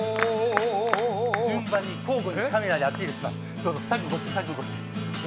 順番に、交互にカメラにアピールします。